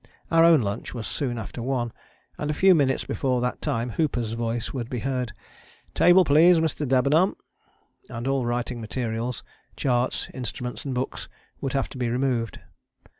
Our own lunch was soon after one, and a few minutes before that time Hooper's voice would be heard: "Table please, Mr. Debenham," and all writing materials, charts, instruments and books would have to be removed.